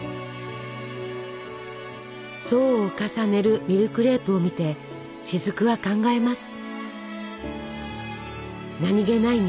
層を重ねるミルクレープを見て雫は考えます。